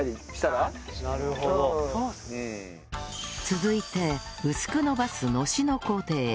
続いて薄く延ばす延しの工程